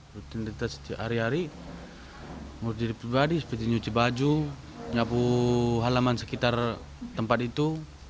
runtinitas hari hari murid pribadi seperti nyuci baju nyapu halaman sekitar tempat itu